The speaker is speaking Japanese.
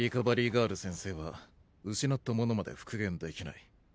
ガール先生は失ったものまで復元できない。